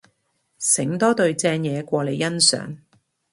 醒多隊正嘢過你欣賞